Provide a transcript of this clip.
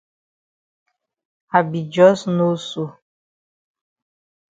I be jus know so.